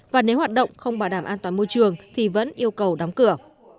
và nếu hoạt động không bảo đảm an toàn môi trường thì vẫn yêu cầu đóng cửa